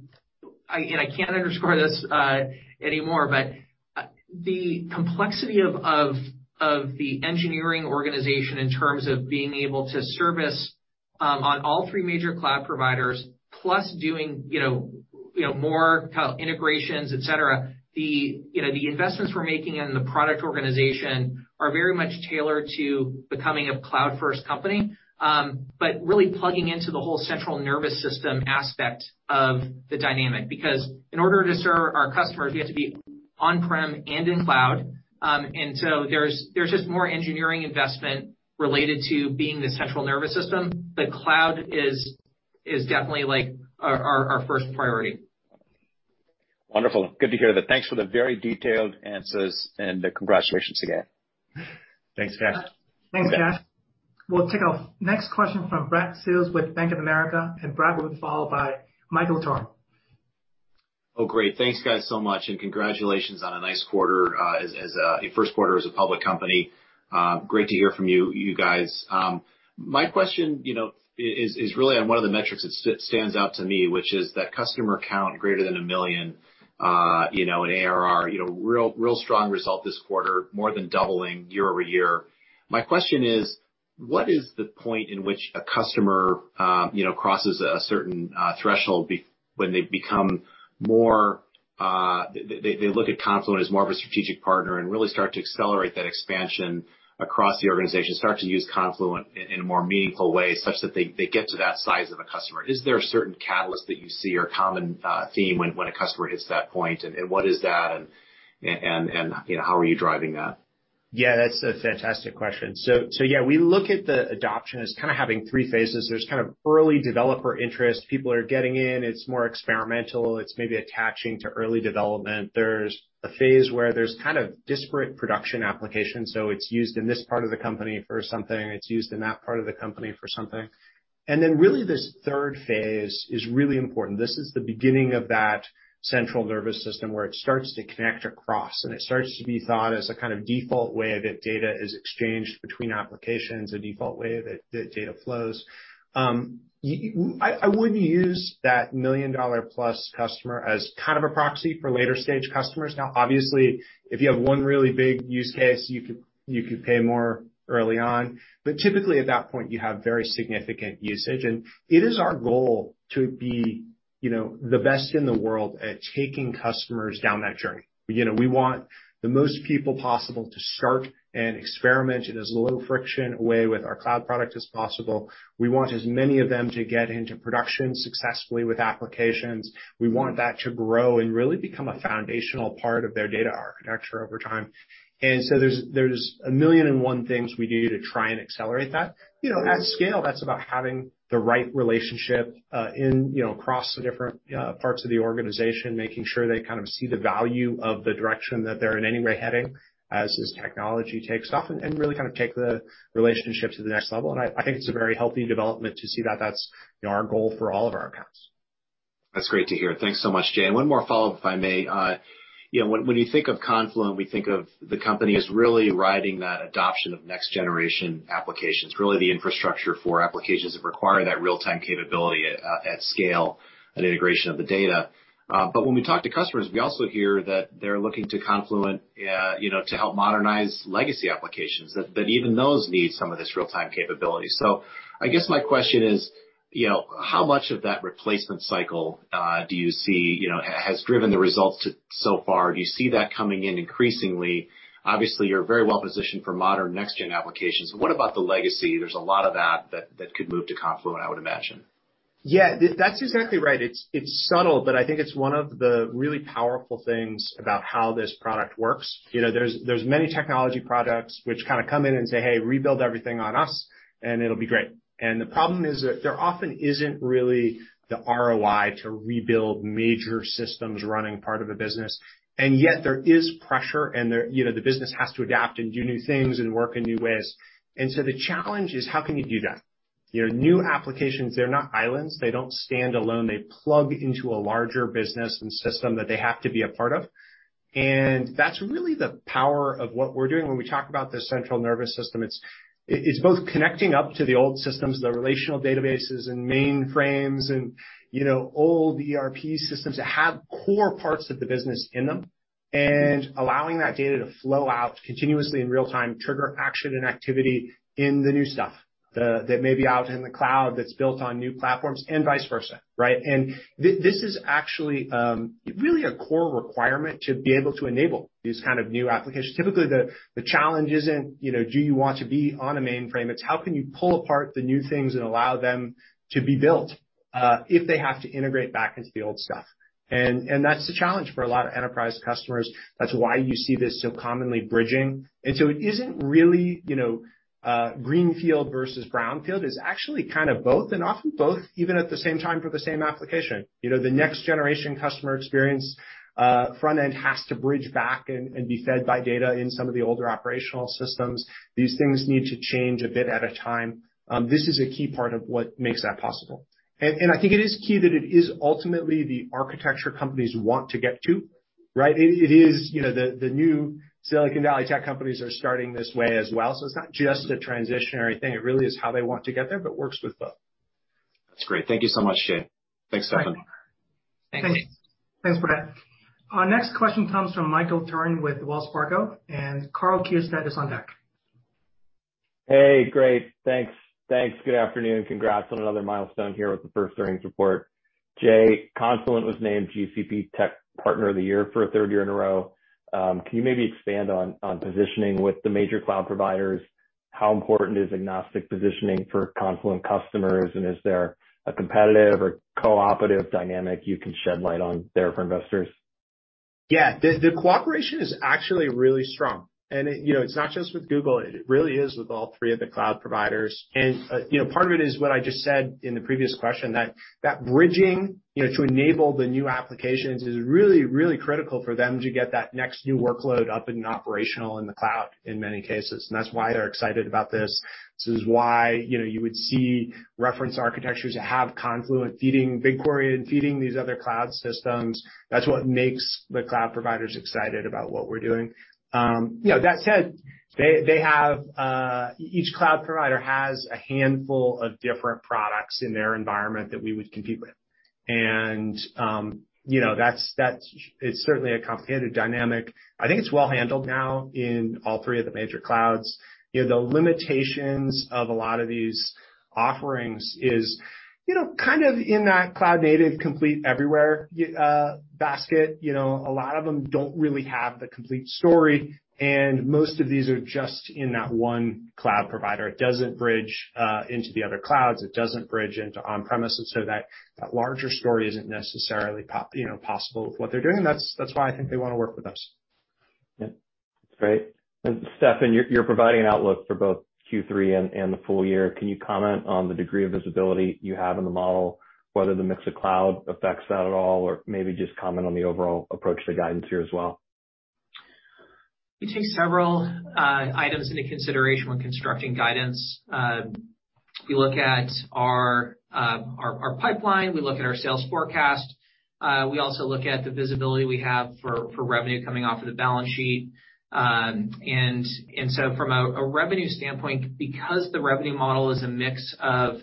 Speaker 3: can't underscore this any more, but the complexity of the engineering organization in terms of being able to service on all three major cloud providers plus doing, you know, more kind of integrations, et cetera, the, you know, the investments we're making in the product organization are very much tailored to becoming a cloud first company. Really plugging into the whole central nervous system aspect of the dynamic because in order to serve our customers, we have to be on-prem and in cloud. There's just more engineering investment related to being the central nervous system. Cloud is definitely like our first priority.
Speaker 6: Wonderful. Good to hear that. Thanks for the very detailed answers, and congratulations again.
Speaker 3: Thanks, Kash.
Speaker 1: Thanks, Kash. We'll take our next question from Brad Sills with Bank of America, and Brad will be followed by Michael Turrin.
Speaker 7: Great. Thanks, guys so much, congratulations on a nice quarter, as a first quarter as a public company. Great to hear from you, guys. My question, you know, is really on one of the metrics that stands out to me, which is that customer count greater than 1 million, you know, in ARR. You know, real strong result this quarter, more than doubling year-over-year. My question is, what is the point in which a customer, you know, crosses a certain threshold when they become more, they look at Confluent as more of a strategic partner and really start to accelerate that expansion across the organization, start to use Confluent in more meaningful ways such that they get to that size of a customer? Is there a certain catalyst that you see or common theme when a customer hits that point? What is that, and, you know, how are you driving that?
Speaker 2: Yeah, that's a fantastic question. We look at the adoption as kind of having three phases. There's kind of early developer interest. People are getting in. It's more experimental. It's maybe attaching to early development. There's a phase where there's kind of disparate production applications, so it's used in this part of the company for something, it's used in that part of the company for something. Really this third phase is really important. This is the beginning of that central nervous system where it starts to connect across, and it starts to be thought as a kind of default way that data is exchanged between applications, a default way that data flows. I would use that $1+ million customer as kind of a proxy for later stage customers. Now, obviously, if you have one really big use case, you could pay more early on, but typically at that point you have very significant usage. It is our goal to be, you know, the best in the world at taking customers down that journey. You know, we want the most people possible to start and experiment in as low friction way with our cloud product as possible. We want as many of them to get into production successfully with applications. We want that to grow and really become a foundational part of their data architecture over time. There's a million and one things we do to try and accelerate that. You know, at scale, that's about having the right relationship, in, you know, across the different, parts of the organization, making sure they kind of see the value of the direction that they're in any way heading as this technology takes off and really kind of take the relationship to the next level. I think it's a very healthy development to see that that's, you know, our goal for all of our accounts.
Speaker 7: That's great to hear. Thanks so much, Jay. One more follow-up, if I may. You know, when you think of Confluent, we think of the company as really riding that adoption of next generation applications, really the infrastructure for applications that require that real-time capability at scale and integration of the data. But when we talk to customers, we also hear that they're looking to Confluent, you know, to help modernize legacy applications, that even those need some of this real-time capability. I guess my question is, you know, how much of that replacement cycle do you see, you know, has driven the results so far? Do you see that coming in increasingly? Obviously, you're very well positioned for modern next gen applications. What about the legacy? There's a lot of that could move to Confluent, I would imagine.
Speaker 2: Yeah, that's exactly right. It's, it's subtle, but I think it's one of the really powerful things about how this product works. You know, there's many technology products which kind of come in and say, "Hey, rebuild everything on us, and it'll be great." The problem is that there often isn't really the ROI to rebuild major systems running part of a business, and yet there is pressure, and you know, the business has to adapt and do new things and work in new ways. The challenge is how can you do that? You know, new applications, they're not islands. They don't stand alone. They plug into a larger business and system that they have to be a part of. That's really the power of what we're doing when we talk about the central nervous system. It's both connecting up to the old systems, the relational databases and mainframes and, you know, old ERP systems that have core parts of the business in them. Allowing that data to flow out continuously in real time, trigger action and activity in the new stuff. That may be out in the cloud that's built on new platforms and vice versa, right? This is actually, really a core requirement to be able to enable these kind of new applications. Typically, the challenge isn't, you know, do you want to be on a mainframe? It's how can you pull apart the new things and allow them to be built if they have to integrate back into the old stuff. That's the challenge for a lot of enterprise customers. That's why you see this so commonly bridging. It isn't really, you know, greenfield versus brownfield. It's actually kind of both, and often both even at the same time for the same application. You know, the next generation customer experience, front-end has to bridge back and be fed by data in some of the older operational systems. These things need to change a bit at a time. This is a key part of what makes that possible. I think it is key that it is ultimately the architecture companies want to get to, right? It is, you know, the new Silicon Valley tech companies are starting this way as well. It's not just a transitionary thing. It really is how they want to get there, but works with both.
Speaker 7: That's great. Thank you so much, Jay. Thanks, Steffan.
Speaker 1: All right. Thanks. Thanks, Brad. Our next question comes from Michael Turrin with Wells Fargo, and Karl Keirstead is on deck.
Speaker 8: Hey, great. Thanks. Thanks. Good afternoon. Congrats on another milestone here with the first earnings report. Jay, Confluent was named Google Cloud Partner of the Year for a third year in a row. Can you maybe expand on positioning with the major cloud providers? How important is agnostic positioning for Confluent customers? Is there a competitive or cooperative dynamic you can shed light on there for investors?
Speaker 2: Yeah. The cooperation is actually really strong. It, you know, it's not just with Google. It really is with all three of the cloud providers. You know, part of it is what I just said in the previous question, that bridging, you know, to enable the new applications is really, really critical for them to get that next new workload up and operational in the cloud in many cases. That's why they're excited about this. This is why, you know, you would see reference architectures that have Confluent feeding BigQuery and feeding these other cloud systems. That's what makes the cloud providers excited about what we're doing. You know, that said, Each cloud provider has a handful of different products in their environment that we would compete with. You know, that's, it's certainly a competitive dynamic. I think it's well handled now in all three of the major clouds. You know, the limitations of a lot of these offerings is, you know, kind of in that cloud native complete everywhere basket. You know, a lot of them don't really have the complete story, most of these are just in that one cloud provider. It doesn't bridge into the other clouds. It doesn't bridge into on-premises. That, that larger story isn't necessarily possible with what they're doing. That's why I think they wanna work with us.
Speaker 8: Yeah. That's great. Steffan, you're providing an outlook for both Q3 and the full year. Can you comment on the degree of visibility you have in the model, whether the mix of cloud affects that at all? Or maybe just comment on the overall approach to guidance here as well.
Speaker 3: We take several items into consideration when constructing guidance. We look at our pipeline. We look at our sales forecast. We also look at the visibility we have for revenue coming off of the balance sheet. From a revenue standpoint, because the revenue model is a mix of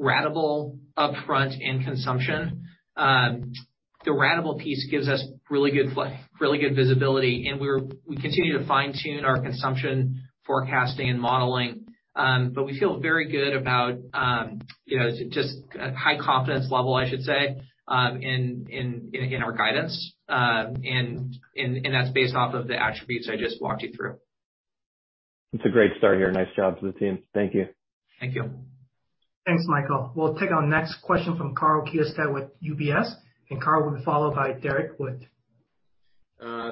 Speaker 3: ratable upfront and consumption, the ratable piece gives us really good visibility, and we continue to fine-tune our consumption forecasting and modeling. We feel very good about, you know, just a high confidence level, I should say, in our guidance. That's based off of the attributes I just walked you through.
Speaker 8: It's a great start here. Nice job to the team. Thank you.
Speaker 2: Thank you.
Speaker 1: Thanks, Michael. We'll take our next question from Karl Keirstead with UBS. Karl will be followed by Derrick Wood.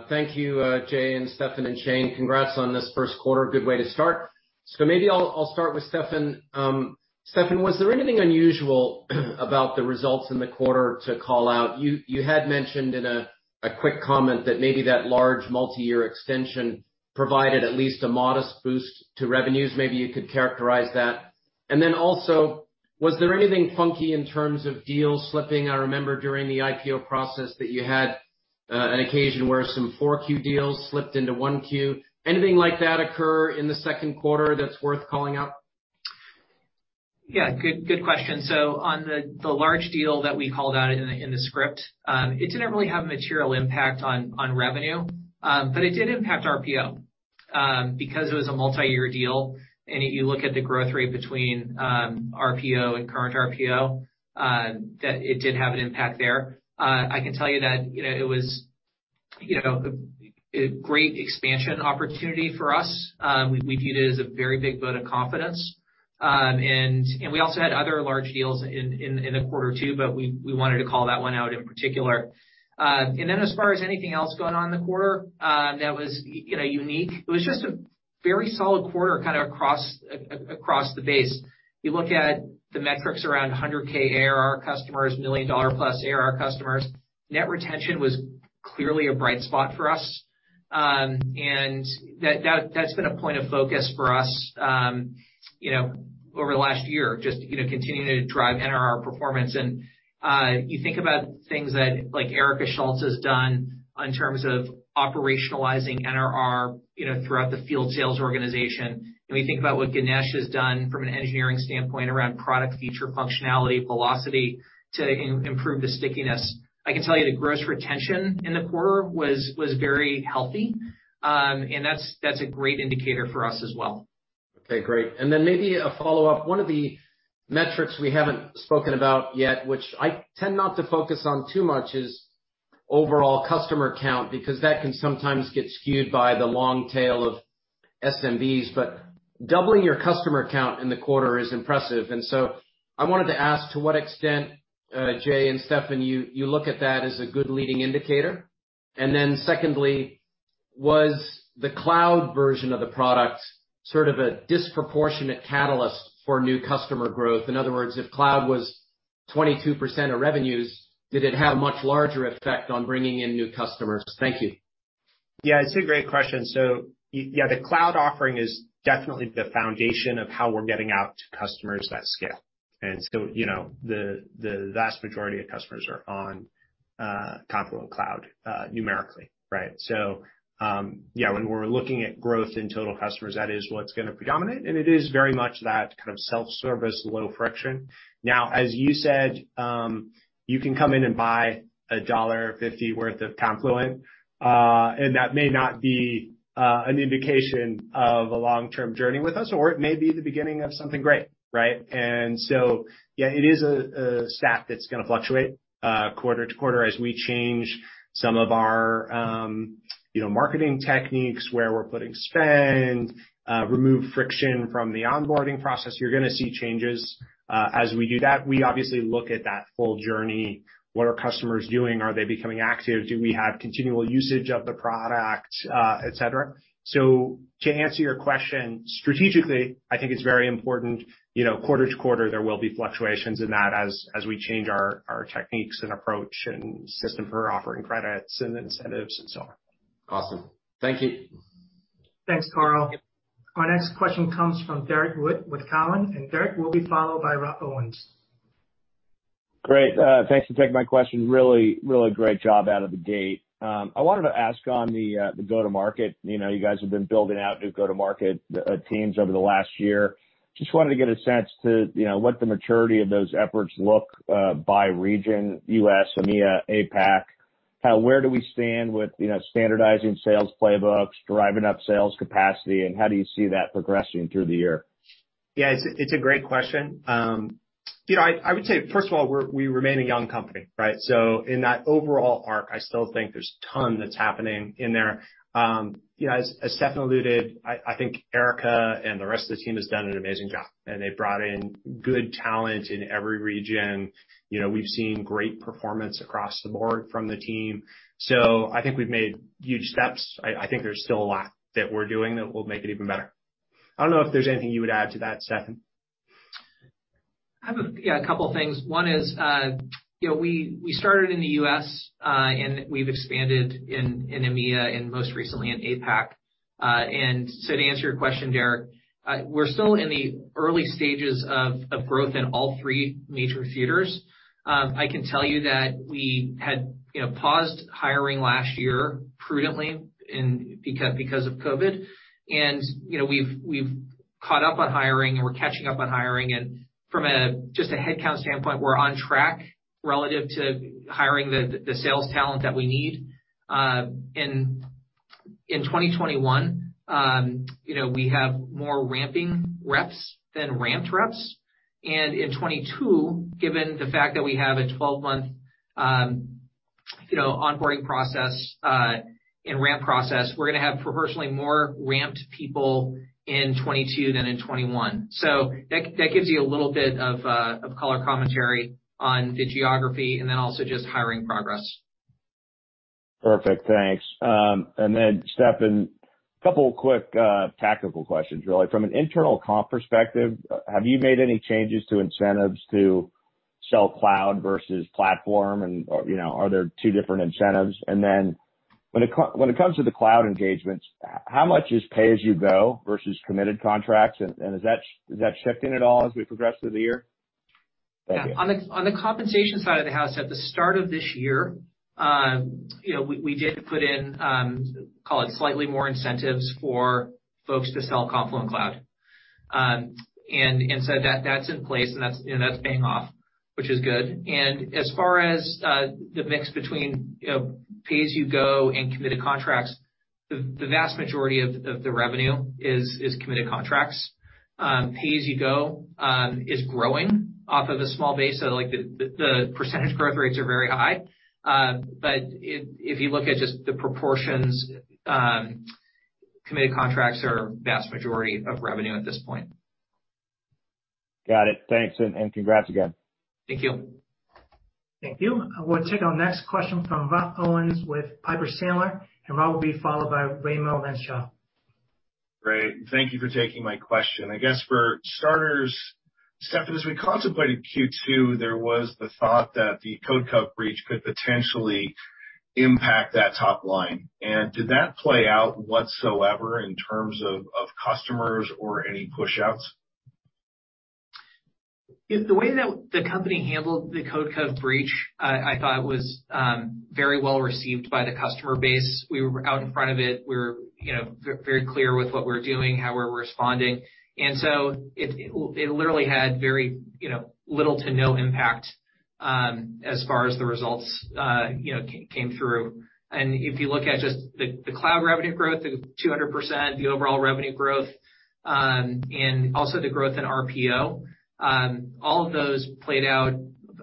Speaker 9: Thank you, Jay and Steffan and Shane. Congrats on this first quarter. Good way to start. Maybe I'll start with Steffan. Steffan, was there anything unusual about the results in the quarter to call out? You had mentioned in a quick comment that maybe that large multi-year extension provided at least a modest boost to revenues. Maybe you could characterize that. Also, was there anything funky in terms of deals slipping? I remember during the IPO process that you had an occasion where some 4Q deals slipped into 1Q. Anything like that occur in the second quarter that's worth calling out?
Speaker 3: Yeah. Good question. On the large deal that we called out in the script, it didn't really have a material impact on revenue. It did impact RPO. Because it was a multi-year deal, and you look at the growth rate between RPO and current RPO, that it did have an impact there. I can tell you that, you know, it was, you know, a great expansion opportunity for us. We viewed it as a very big vote of confidence. We also had other large deals in the quarter too, we wanted to call that one out in particular. As far as anything else going on in the quarter, that was, you know, unique, it was just a very solid quarter kind of across the base. You look at the metrics around 100K ARR customers, $1+ million ARR customers. Net retention was clearly a bright spot for us. That's been a point of focus for us, you know, over the last year, just, you know, continuing to drive NRR performance. You think about things that like Erica Schultz has done in terms of operationalizing NRR, you know, throughout the field sales organization. We think about what Ganesh has done from an engineering standpoint around product feature functionality, velocity to improve the stickiness. I can tell you the gross retention in the quarter was very healthy. That's a great indicator for us as well.
Speaker 9: Okay, great. Maybe a follow-up. One of the metrics we haven't spoken about yet, which I tend not to focus on too much, is overall customer count, because that can sometimes get skewed by the long tail of SMBs. Doubling your customer count in the quarter is impressive. I wanted to ask to what extent, Jay and Steffan, you look at that as a good leading indicator. Secondly, was the cloud version of the product sort of a disproportionate catalyst for new customer growth? In other words, if cloud was 22% of revenues, did it have much larger effect on bringing in new customers? Thank you.
Speaker 2: Yeah, it's a great question. Yeah, the cloud offering is definitely the foundation of how we're getting out to customers that scale. You know, the vast majority of customers are on Confluent Cloud numerically, right? Yeah, when we're looking at growth in total customers, that is what's gonna predominate, and it is very much that kind of self-service, low friction. Now, as you said, you can come in and buy $1.50 worth of Confluent, and that may not be an indication of a long-term journey with us, or it may be the beginning of something great, right? Yeah, it is a stat that's gonna fluctuate quarter-to-quarter as we change some of our, you know, marketing techniques, where we're putting spend, remove friction from the onboarding process. You're going to see changes as we do that. We obviously look at that full journey. What are customers doing? Are they becoming active? Do we have continual usage of the product, et cetera. To answer your question strategically, I think it's very important, you know, quarter to quarter, there will be fluctuations in that as we change our techniques and approach and system for offering credits and incentives and so on.
Speaker 9: Awesome. Thank you.
Speaker 1: Thanks, Karl. Our next question comes from Derrick Wood with Cowen, and Derrick will be followed by Rob Owens.
Speaker 10: Great. Thanks for taking my question. Really great job out of the gate. I wanted to ask on the go-to-market. You know, you guys have been building out new go-to-market teams over the last year. Just wanted to get a sense to, you know, what the maturity of those efforts look by region, U.S., EMEA, APAC. Where do we stand with, you know, standardizing sales playbooks, driving up sales capacity, and how do you see that progressing through the year?
Speaker 2: Yeah, it's a great question. You know, I would say, first of all, we remain a young company, right? In that overall arc, I still think there's a ton that's happening in there. You know, as Steffan alluded, I think Erica and the rest of the team has done an amazing job, and they've brought in good talent in every region. You know, we've seen great performance across the board from the team. I think we've made huge steps. I think there's still a lot that we're doing that will make it even better. I don't know if there's anything you would add to that, Steffan.
Speaker 3: I have a couple of things. One is, you know, we started in the U.S., and we've expanded in EMEA and most recently in APAC. To answer your question, Derrick, we're still in the early stages of growth in all three major theaters. I can tell you that we had, you know, paused hiring last year prudently because of COVID-19. You know, we've caught up on hiring, and we're catching up on hiring. From a just a headcount standpoint, we're on track relative to hiring the sales talent that we need. In 2021, you know, we have more ramping reps than ramped reps. In 2022, given the fact that we have a 12-month, you know, onboarding process and ramp process, we're gonna have proportionally more ramped people in 2022 than in 2021. That gives you a little bit of color commentary on the geography and then also just hiring progress.
Speaker 10: Perfect. Thanks. Then, Steffan, a couple quick, tactical questions, really. From an internal comp perspective, have you made any changes to incentives to sell cloud versus platform and, or, you know, are there two different incentives? Then when it comes to the cloud engagements, how much is pay-as-you-go versus committed contracts? Is that shifting at all as we progress through the year? Thank you.
Speaker 3: Yeah. On the compensation side of the house, at the start of this year, you know, we did put in, call it slightly more incentives for folks to sell Confluent Cloud. That's in place, and that's, you know, that's paying off, which is good. As far as the mix between, you know, pay-as-you-go and committed contracts, the vast majority of the revenue is committed contracts. Pay-as-you-go is growing off of a small base. Like the percentage growth rates are very high. If you look at just the proportions, committed contracts are vast majority of revenue at this point.
Speaker 10: Got it. Thanks. Congrats again.
Speaker 3: Thank you.
Speaker 1: Thank you. We'll take our next question from Rob Owens with Piper Sandler. Rob will be followed by Raimo Lenschow.
Speaker 11: Great. Thank you for taking my question. I guess for starters, Steffan, as we contemplated Q2, there was the thought that the Codecov breach could potentially impact that top line. Did that play out whatsoever in terms of customers or any pushouts?
Speaker 3: Yeah, the way that the company handled the Codecov breach, I thought was very well received by the customer base. We were out in front of it. We were, you know, very clear with what we're doing, how we're responding. It literally had very, you know, little to no impact. As far as the results came through. If you look at just the cloud revenue growth of 200%, the overall revenue growth, and also the growth in RPO, all of those played out,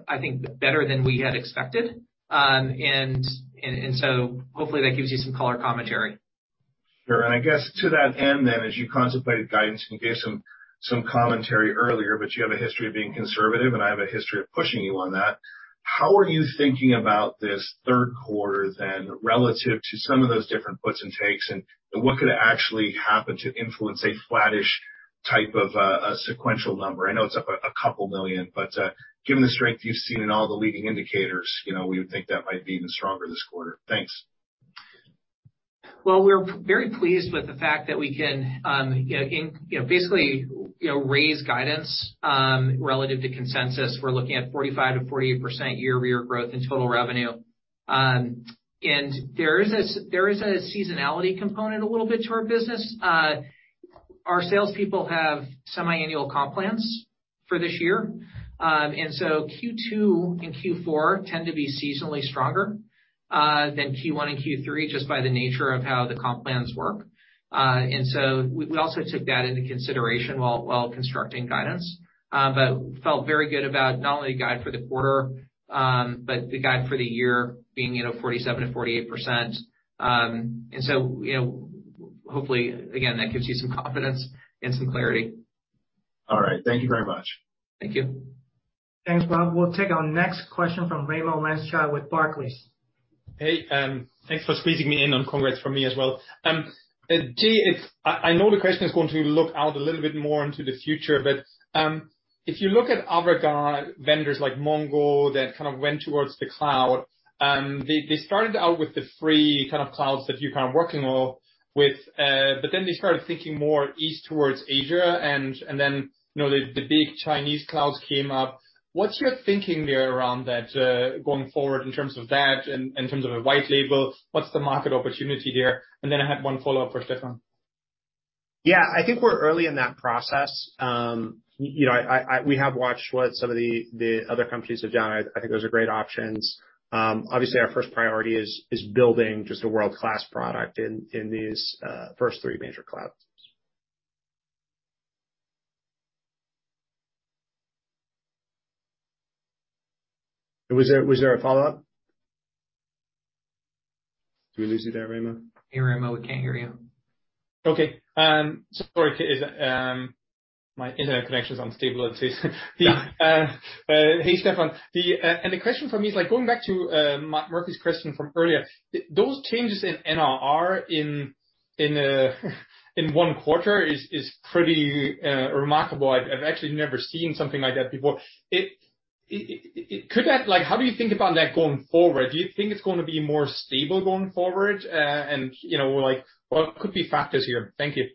Speaker 3: I think, better than we had expected. Hopefully that gives you some color commentary.
Speaker 11: Sure. I guess to that end then, as you contemplated guidance and gave some commentary earlier, but you have a history of being conservative, and I have a history of pushing you on that. How are you thinking about this third quarter then relative to some of those different puts and takes, and what could actually happen to influence a flattish type of a sequential number? I know it's up a couple million, but, given the strength you've seen in all the leading indicators, you know, we would think that might be even stronger this quarter. Thanks.
Speaker 3: Well, we're very pleased with the fact that we can, you know, basically, you know, raise guidance, relative to consensus. We're looking at 45%-48% year-over-year growth in total revenue. There is a seasonality component a little bit to our business. Our salespeople have semiannual comp plans for this year. Q2 and Q4 tend to be seasonally stronger than Q1 and Q3, just by the nature of how the comp plans work. We also took that into consideration while constructing guidance. Felt very good about not only the guide for the quarter, but the guide for the year being, you know, 47%-48%. You know, hopefully, again, that gives you some confidence and some clarity.
Speaker 11: All right. Thank you very much.
Speaker 3: Thank you.
Speaker 1: Thanks, Rob Owens. We'll take our next question from Raimo Lenschow with Barclays.
Speaker 12: Hey, thanks for squeezing me in. Congrats from me as well. Jay, I know the question is going to look out a little bit more into the future, if you look at other vendors like MongoDB that kind of went towards the cloud, they started out with the free kind of clouds that you're kind of working all with, they started thinking more east towards Asia, and then, you know, the big Chinese clouds came up. What's your thinking there around that, going forward in terms of that in terms of a white label? What's the market opportunity here? I had one follow-up for Stefan.
Speaker 2: Yeah, I think we're early in that process. you know, we have watched what some of the other companies have done. I think those are great options. obviously, our first priority is building just a world-class product in these first three major clouds. Was there a follow-up? Did we lose you there, Raimo?
Speaker 3: Hey, Raimo, we can't hear you.
Speaker 12: Okay. Sorry, it, my internet connection's unstable it says.
Speaker 2: Yeah.
Speaker 12: Hey, Steffan. The question for me is, like, going back to Mark Murphy's question from earlier. Those changes in NRR in one quarter is pretty remarkable. I've actually never seen something like that before. How do you think about that going forward? Do you think it's gonna be more stable going forward? You know, like, what could be factors here? Thank you.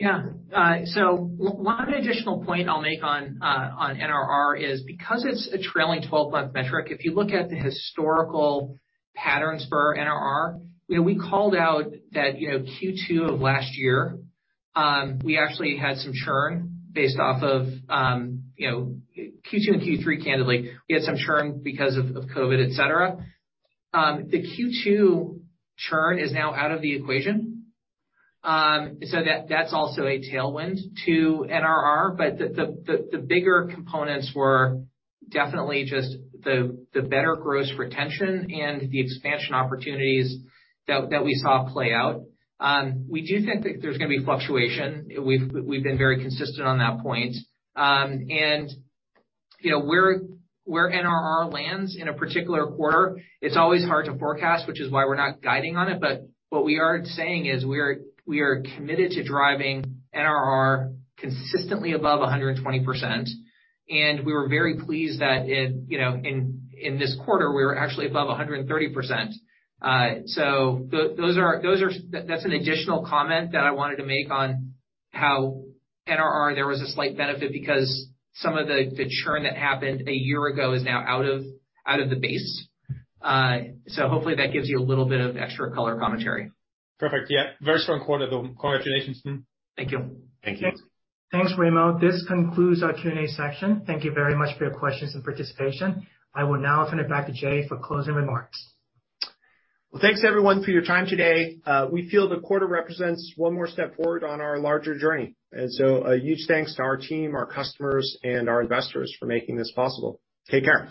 Speaker 3: Yeah. One additional point I'll make on NRR is because it's a trailing 12-month metric, if you look at the historical patterns for our NRR, you know, we called out that, you know, Q2 of last year, we actually had some churn based off of, you know, Q2 and Q3, candidly. We had some churn because of COVID, et cetera. The Q2 churn is now out of the equation. That's also a tailwind to NRR. The bigger components were definitely just the better gross retention and the expansion opportunities that we saw play out. We do think that there's gonna be fluctuation. We've been very consistent on that point. You know, where NRR lands in a particular quarter, it's always hard to forecast, which is why we're not guiding on it. What we are saying is we are committed to driving NRR consistently above 120%. We were very pleased that in, you know, in this quarter, we were actually above 130%. Those are, that's an additional comment that I wanted to make on how NRR, there was a slight benefit because some of the churn that happened a year ago is now out of the base. Hopefully that gives you a little bit of extra color commentary.
Speaker 12: Perfect. Yeah. Very strong quarter, though. Congratulations to you.
Speaker 3: Thank you.
Speaker 2: Thank you.
Speaker 1: Thanks, Raimo. This concludes our Q&A section. Thank you very much for your questions and participation. I will now turn it back to Jay for closing remarks.
Speaker 2: Well, thanks everyone for your time today. We feel the quarter represents one more step forward on our larger journey. A huge thanks to our team, our customers, and our investors for making this possible. Take care.